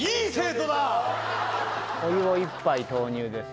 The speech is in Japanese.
お湯を１杯投入です。